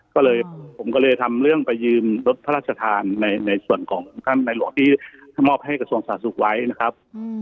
ก็เลยผมก็เลยทำเรื่องไปยืมรถพระราชทานในส่วนของท่านในหลวงที่มอบให้กระทรวงสาธารณสุขไว้นะครับ